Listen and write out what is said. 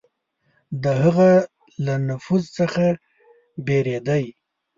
د هغه له نفوذ څخه بېرېدی.